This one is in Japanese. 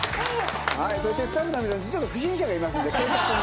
そしてスタッフの皆さん不審者がいますんで警察に。